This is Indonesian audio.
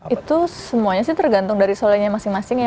itu semuanya sih tergantung dari solehnya masing masing ya